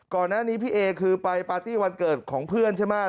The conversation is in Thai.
ก่อนหน้านี้พี่เอคือไปปาร์ตี้วันเกิดของเพื่อนใช่ไหม